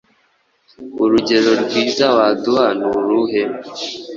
Urugero rwiza waduha nuruhe